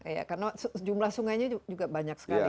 iya karena jumlah sungainya juga banyak sekali di sana